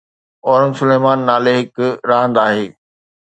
اورنگ سليمان نالي هڪ راند آهي